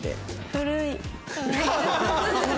古い？